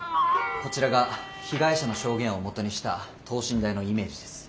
こちらが被害者の証言を基にした等身大のイメージです。